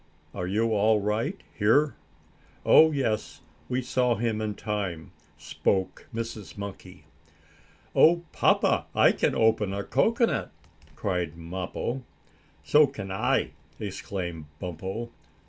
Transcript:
"Are you all right here?" "Oh, yes. We saw him in time," spoke Mrs. Monkey. "Oh, papa, I can open a cocoanut!" cried Mappo. "So can I!" exclaimed Bumpo.